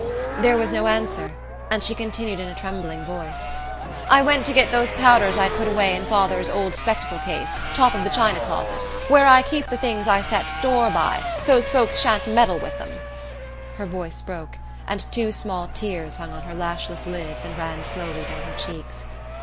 There was no answer, and she continued in a trembling voice: "I went to get those powders I'd put away in father's old spectacle case, top of the china closet, where I keep the things I set store by, so's folks shan't meddle with them " Her voice broke, and two small tears hung on her lashless lids and ran slowly down her cheeks.